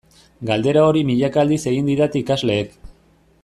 Galdera hori milaka aldiz egin didate ikasleek.